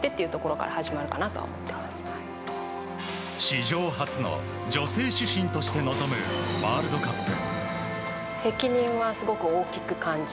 史上初の女性主審として臨むワールドカップ。